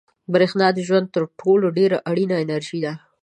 برېښنا د ژوند تر ټولو ډېره اړینه انرژي ده.